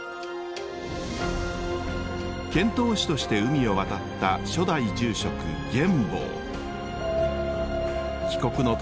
遣唐使として海を渡った初代住職玄。